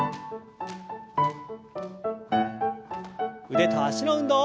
腕と脚の運動。